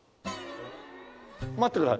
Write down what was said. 待ってください。